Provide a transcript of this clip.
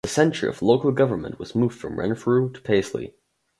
The centre of local government was moved from Renfrew to Paisley.